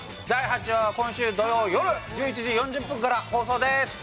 第８話は今週土曜よる１１時４０分から放送です。